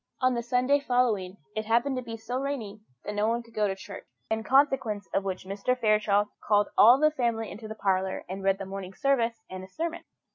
On the Sunday following, it happened to be so rainy that nobody could go to church, in consequence of which Mr. Fairchild called all the family into the parlour and read the Morning Service and a sermon.